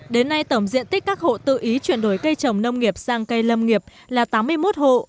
đến nay tổng diện tích các hộ tự ý chuyển đổi cây trồng nông nghiệp sang cây lâm nghiệp là tám mươi một hộ